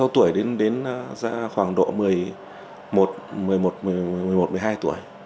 sáu tuổi đến khoảng độ một mươi một một mươi hai tuổi